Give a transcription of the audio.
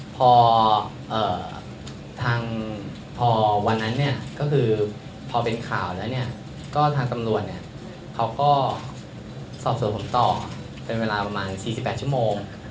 เพราะวันนั้นพอเป็นข่าวแล้วทางตำรวจเขาก็สอบส่วนผมต่อเป็นเวลาประมาณ๔๘ชั่วโมง